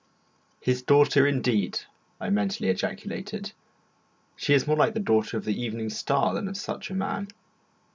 His daughter indeed! I mentally ejaculated; she is more like the daughter of the evening star than of such a man.